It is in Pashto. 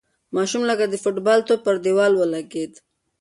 ماشوم لکه د فوټبال توپ پر دېوال ولگېد.